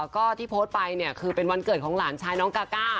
ก็ที่โพสต์ไปเนี่ยคือเป็นวันเกิดของหลานชายน้องกาก้า